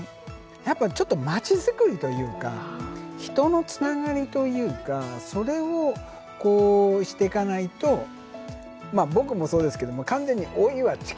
やっぱちょっと町作りというか人のつながりというかそれをしてかないとまあ僕もそうですけど完全に老いは近づいてきてるわけで。